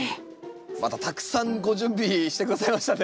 またたくさんご準備して下さいましたね。